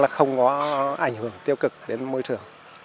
không có ảnh hưởng tiêu cực đến môi trường